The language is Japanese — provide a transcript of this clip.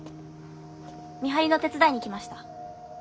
見張りの手伝いに来ました。